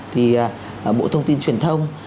thì bộ thông tin truyền thông